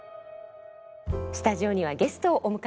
スタジオにはゲストをお迎えしました。